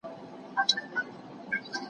دا توپير به ليک ستونزمن کاوه.